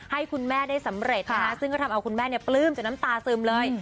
ให้คุณแม่ได้สำเร็จนะคะซึ่งก็ทำเอาคุณแม่ปลื้มจากน้ำตาซึมเลย